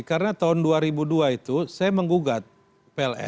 karena tahun dua ribu dua itu saya menggugat pln